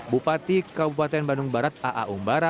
bupati kabupaten bandung barat a a umbara